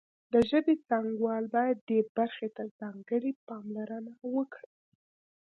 د ژبې څانګوال باید دې برخې ته ځانګړې پاملرنه وکړي